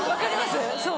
そう。